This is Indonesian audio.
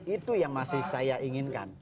itu yang masih saya inginkan